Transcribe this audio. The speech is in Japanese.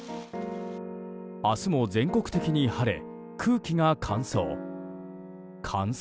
明日も全国的に晴れ空気が乾燥。